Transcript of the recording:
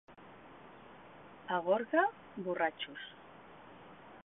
A Gorga, borratxos.